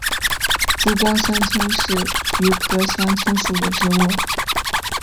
珠光香青是菊科香青属的植物。